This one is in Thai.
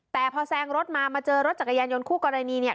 แต่พอแซงรถมามาเจอรถจักรยานยนต์คู่กรณีเนี่ย